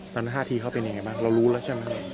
ตั้งแต่๕ทีเขาเป็นยังไงบ้างเรารู้แล้วใช่ไหม